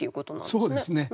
そうですね。